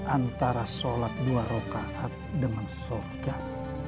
antara sholat dua rokaat dengan sorga